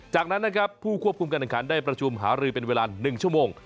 จากนั้นนะครับผู้ควบคุมการแข่งขันได้ประชุมหารือเป็นเวลา๑ชั่วโมง